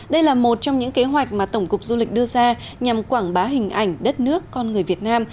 đây là một trong những kế hoạch mà tổng cục du lịch đưa ra nhằm quảng bá hình ảnh đất nước con người việt nam